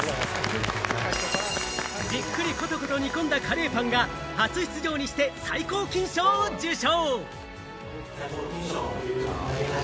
じっくりコトコト煮込んだカレーパンが初出場にして最高金賞を受賞。